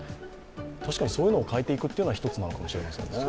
確かにそういうのを変えていくのは１つもしれないですね。